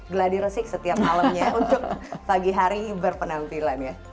gladi resik setiap malamnya untuk pagi hari berpenampilan ya